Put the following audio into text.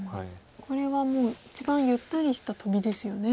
これはもう一番ゆったりしたトビですよね。